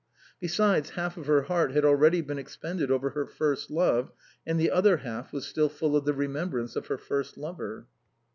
Besides, half of her heart had already been expended over her first love, and the other half was still full of the remembrance of her first lover.